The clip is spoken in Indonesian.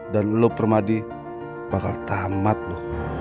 dan lo permadi bakal tamat bu